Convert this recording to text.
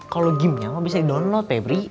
kalau gimnya mah bisa di download pebri